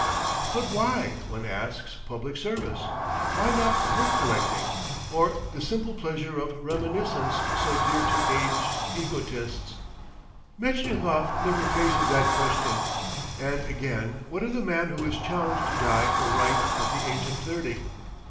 (But why, one asks, public service? Why not book collecting or the simple pleasure of reminiscence so dear to aged egotists? Metchnikoff never faces that question. And again, what of the man who is challenged to die for right at the age of thirty?